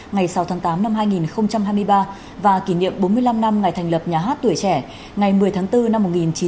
ngày sáu tháng tám năm hai nghìn hai mươi ba và kỷ niệm bốn mươi năm năm ngày thành lập nhà hát tuổi trẻ ngày một mươi tháng bốn năm một nghìn chín trăm bốn mươi năm